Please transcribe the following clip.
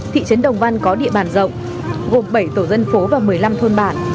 thị trấn đồng văn có địa bàn rộng gồm bảy tổ dân phố và một mươi năm thôn bản